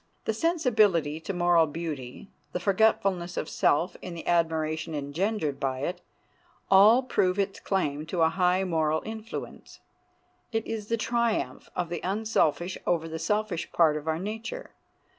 The sensibility to moral beauty, the forgetfulness of self in the admiration engendered by it, all prove its claim to a high moral influence. It is the triumph of the unselfish over the selfish part of our nature.